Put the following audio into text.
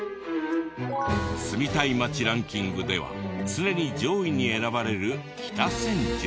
住みたい街ランキングでは常に上位に選ばれる北千住。